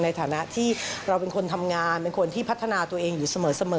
ในฐานะที่เราเป็นคนทำงานเป็นคนที่พัฒนาตัวเองอยู่เสมอ